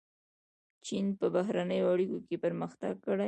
چین په بهرنیو اړیکو کې پرمختګ کړی.